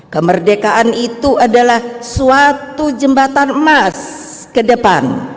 kemerdekaan itu adalah suatu jembatan emas ke depan